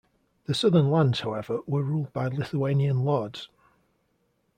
The Southern lands however were ruled by Lithuanian lords.